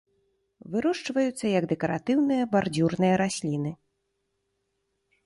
Вырошчваюцца як дэкаратыўныя бардзюрныя расліны.